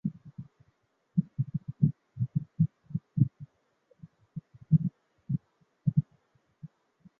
锥唇吻沙蚕为吻沙蚕科吻沙蚕属的动物。